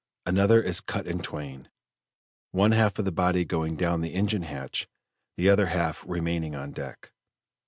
Another is cut in twain, one half of the body going down the engine hatch, the other half remaining on deck.